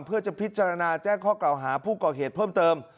เพื่อจะพิจารณาแจ้งข้อกล่าวหาผู้ก่อเหตุเพิ่มเติม